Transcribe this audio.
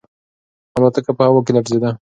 الوتکه په هوا کې لړزیده.